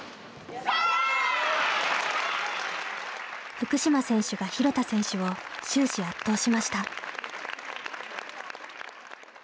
福島選手が廣田選手を終始圧倒しました。